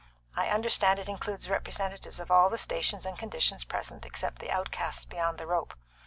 I understand it includes representatives of all the stations and conditions present except the outcasts beyond the rope.